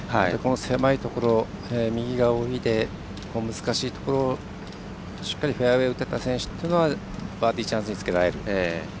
狭いところ、右側を見て難しいところを、しっかりフェアウエー打てた選手はバーディーチャンスにつけられる。